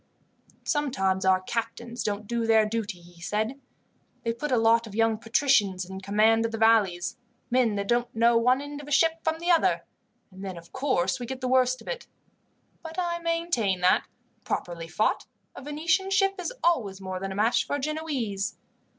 "Sometimes our captains don't do their duty," he said. "They put a lot of young patricians in command of the galleys, men that don't know one end of a ship from the other, and then, of course, we get the worst of it. But I maintain that, properly fought, a Venetian ship is always more than a match for a Genoese."